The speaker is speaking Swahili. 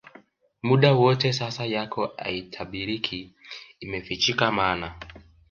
muda wote sasa yako haitabiriki Imefichika maana